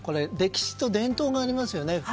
歴史と伝統がありますよね。